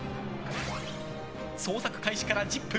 捜索開始から１０分。